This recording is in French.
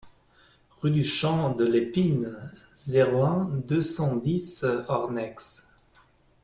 Rue du Champ de l'Épine, zéro un, deux cent dix Ornex